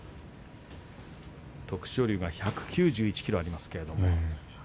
徳勝龍が１９１ｋｇありますけれども。